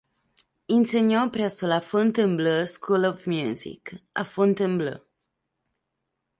Insegnò presso la Fontainebleau School of Music a Fontainebleau.